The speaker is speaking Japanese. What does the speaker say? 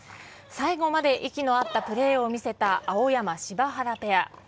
最後まで息の合ったプレーを見せた青山・柴原ペア。